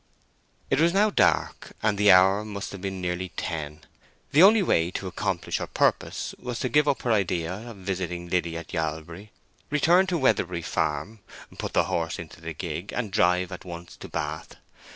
It was now dark, and the hour must have been nearly ten. The only way to accomplish her purpose was to give up her idea of visiting Liddy at Yalbury, return to Weatherbury Farm, put the horse into the gig, and drive at once to Bath.